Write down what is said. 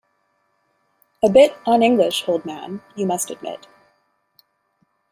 A bit un-English, old man, you must admit.